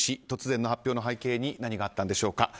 突然の発表の背景に何があったんでしょうか。